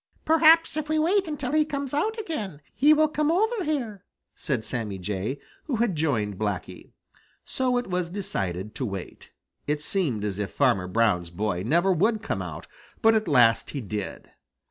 "Perhaps if we wait until he comes out again, he will come over here," said Sammy Jay, who had joined Blacky. So it was decided to wait. It seemed as if Farmer Brown's boy never would come out, but at last he did.